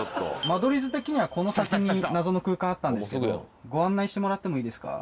間取り図的にはこの先に謎の空間あったんですけどご案内してもらっていいですか？